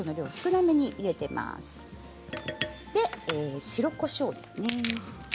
そして白こしょうです。